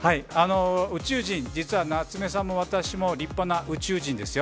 宇宙人、実は夏目さんも私も、立派な宇宙人ですよ。